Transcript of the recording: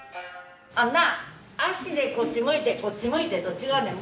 あんな足でこっち向いてこっち向いてと違うねん。